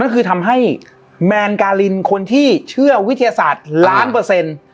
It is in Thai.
ก็คือทำให้แมนการินคนที่เชื่อวิทยาศาสตร์ล้านเปอร์เซ็นต์